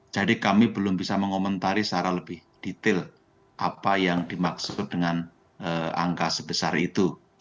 jadi kami belum bisa mengomentari secara lebih detail apa yang dimaksud dengan angka sebesar itu